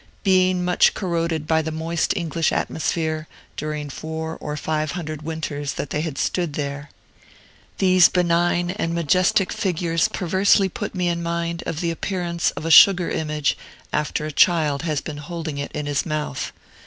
Being much corroded by the moist English atmosphere, during four or five hundred winters that they had stood there, these benign and majestic figures perversely put me in mind of the appearance of a sugar image, after a child has been holding it in his mouth.